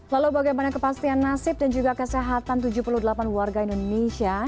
lalu bagaimana kepastian nasib dan juga kesehatan tujuh puluh delapan warga indonesia